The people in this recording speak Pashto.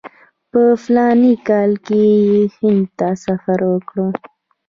په فلاني کال کې یې هند ته سفر وکړ.